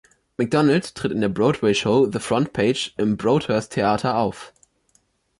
McDonald tritt in der Broadway-Show „The Front Page“ im Broadhurst Theater auf.